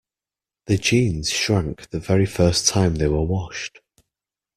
The jeans shrank the very first time they were washed.